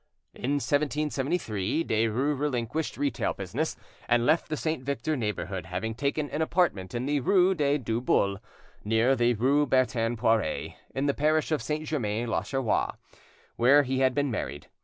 In 1773, Derues relinquished retail business, and left the Saint Victor neighbourhood, having taken an apartment in the rue des Deux Boules, near the rue Bertin Poiree, in the parish of St. Germain l'Auxerrois, where he had been married.